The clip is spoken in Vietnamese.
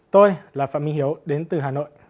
tôi là phạm minh hiếu đến từ hà nội